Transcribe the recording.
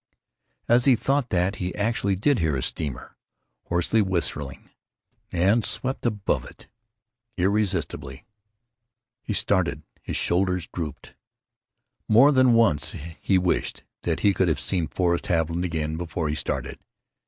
As he thought that, he actually did hear a steamer hoarsely whistling, and swept above it, irresistibly. He started; his shoulders drooped. More than once he wished that he could have seen Forrest Haviland again before he started.